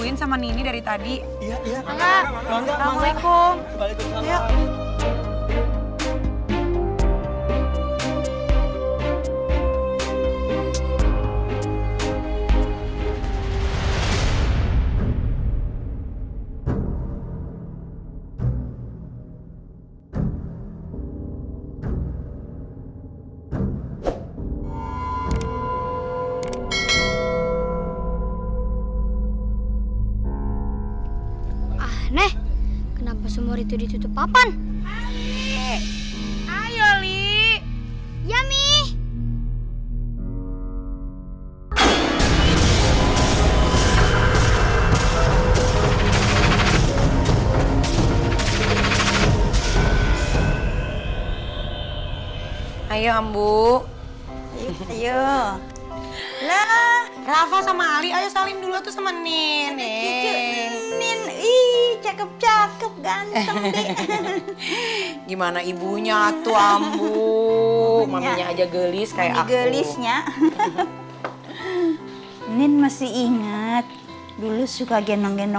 nanti keburu hujan lagi